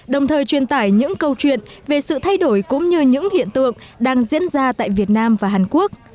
đồng thời truyền tải những câu chuyện về sự thay đổi cũng như những hiện tượng đang diễn ra tại việt nam và hàn quốc